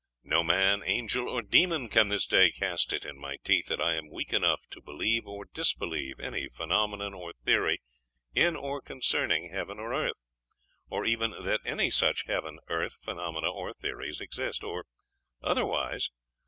No man, angel, or demon, can this day cast it in my teeth that I am weak enough to believe or disbelieve any phenomenon or theory in or concerning heaven or earth; or even that any such heaven, earth, phenomena, or theories exist or otherwise....